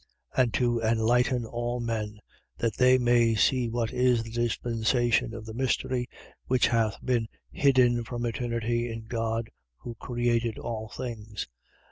And to enlighten all men, that they may see what is the dispensation of the mystery which hath been hidden from eternity in God who created all things: 3:10.